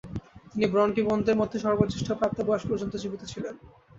তিনি ব্রন্টি বোনদের মধ্যে সর্বজ্যেষ্ঠ ও প্রাপ্ত বয়স পর্যন্ত জীবিত ছিলেন।